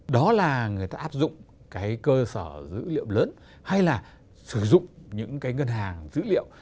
đó là người ta áp dụng cái cơ sở dữ liệu lớn hay là sử dụng những cái ngân hàng dữ liệu